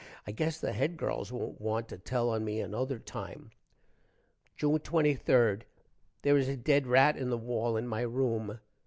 i gess the Head girls wont want to tell on me another time. June 23. there is a dead rat in the wall in my room.